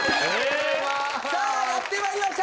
さあやって参りました。